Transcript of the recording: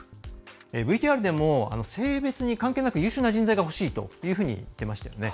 ＶＴＲでも性別に関係なく優秀な人材がほしいというふうに言っていましたよね。